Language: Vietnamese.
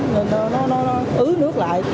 nên nó ứ nước lại